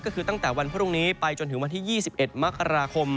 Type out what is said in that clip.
ก็คือตั้งแต่วันพรุ่งนี้ไปจนถึงวันที่๒๑มกราคม